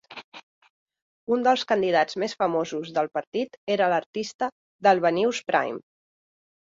Un dels candidats més famosos del partit era l'artista Dalvanius Prime.